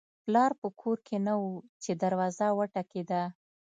پلار په کور کې نه و چې دروازه وټکېده